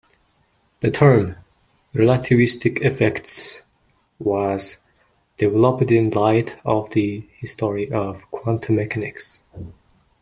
The term "relativistic effects" was developed in light of the history of quantum mechanics.